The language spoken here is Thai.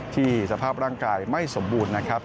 สภาพร่างกายไม่สมบูรณ์นะครับ